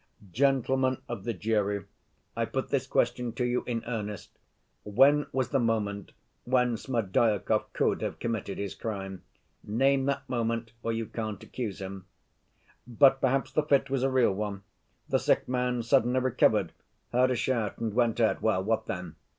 Gentlemen of the jury, I put this question to you in earnest; when was the moment when Smerdyakov could have committed his crime? Name that moment, or you can't accuse him. "But, perhaps, the fit was a real one, the sick man suddenly recovered, heard a shout, and went out. Well—what then?